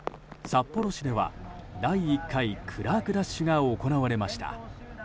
札幌市では第１回クラークダッシュが行われました。